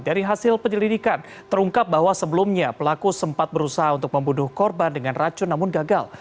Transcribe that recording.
dari hasil penyelidikan terungkap bahwa sebelumnya pelaku sempat berusaha untuk membunuh korban dengan racun namun gagal